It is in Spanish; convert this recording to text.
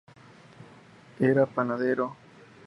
Era panadero.